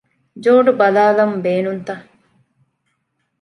ޖޯޑު ބަލާލަން ބޭނުންތަ؟